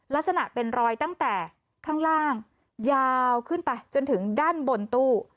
ลักษณะเป็นรอยตั้งแต่ข้างล่างยาวขึ้นไปจนถึงด้านบนตู้